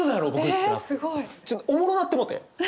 おもろなってもうて。